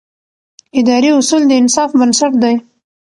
اداري اصول د انصاف بنسټ دی.